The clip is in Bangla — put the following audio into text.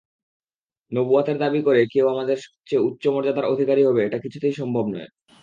নবুওয়াতের দাবী করে কেউ আমাদের চেয়ে উচ্চ মর্যাদার অধিকারী হবে-এটা কিছুতেই সম্ভব নয়।